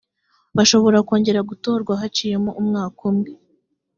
bashobora kongera gutorwa haciyemo umwaka umwe